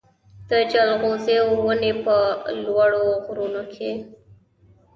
د جلغوزیو ونې په لوړو غرونو کې وي.